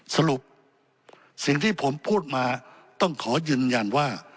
สรุปสิ่งที่ผมพูดมาต้องขอยืนยันว่า